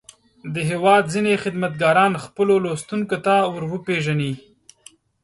د هېواد ځينې خدمتګاران خپلو لوستونکو ته ور وپېژني.